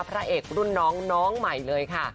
พระเอกรุ่นน้องน้องใหม่เลยค่ะ